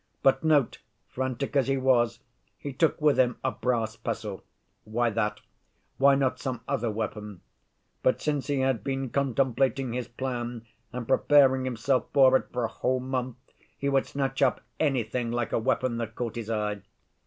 "But note, frantic as he was, he took with him a brass pestle. Why that? Why not some other weapon? But since he had been contemplating his plan and preparing himself for it for a whole month, he would snatch up anything like a weapon that caught his eye.